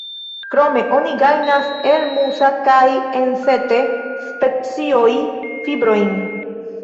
Krome oni gajnas el "Musa"- kaj "Ensete"-specioj fibrojn.